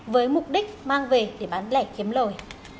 với mục đích mang về để bán lẻ kiếm lời